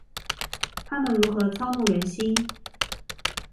他們如何操弄人心？